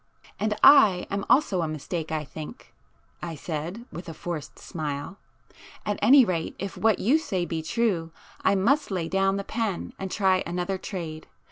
"And I am also a mistake I think," I said with a forced smile—"At any rate if what you say be true, I must lay down the pen and try another trade.